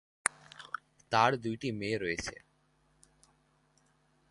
তার দুইটি মেয়ে রয়েছে।